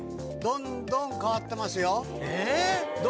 どんどん変わってますよ。